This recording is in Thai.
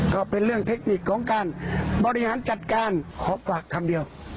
ก็เป็นเรื่องเทคนิคของการบริหารจัดการขอฝากคำเดียว